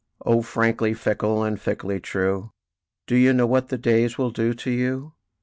"O frankly fickle, and fickly true, Do you know what the days will do to you?